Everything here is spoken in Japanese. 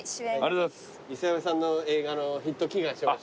磯山さんの映画のヒット祈願しましょう。